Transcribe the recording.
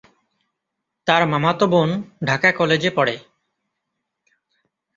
তার মামাতো বোন ঢাকা কলেজে পড়ে।